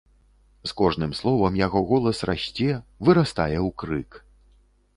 З кожным словам яго голас расце, вырастае ў крык.